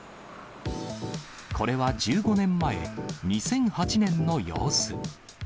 これは１５年前、２００８年の様子。